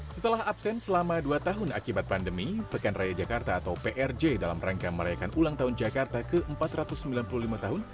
setelah absen selama dua tahun akibat pandemi pekan raya jakarta atau prj dalam rangka merayakan ulang tahun jakarta ke empat ratus sembilan puluh lima tahun